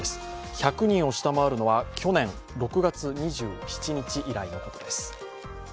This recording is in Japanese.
１００人を下回るのは去年６月２７日以来のことです。